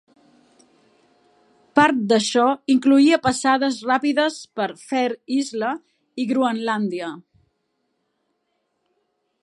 Part d'això incloïa passades ràpides per Fair Isle i Groenlàndia.